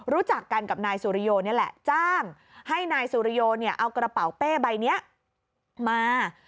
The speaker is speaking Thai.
รู้จักกันกับนายสุริโยนี่แหละจ้างให้นายสุริโยเอากระเป๋าเป้ใบนี้มา